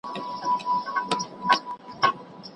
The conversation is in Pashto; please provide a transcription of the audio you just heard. او ادب پوهان، د پښتو په کلاسیک ادب کي